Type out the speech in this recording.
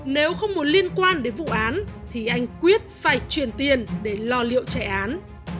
nếu không muốn liên quan đến vụ án thì anh quyết phải truyền tiền để lo liệu trẻ án